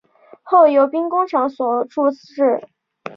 后由兵工厂所铸制。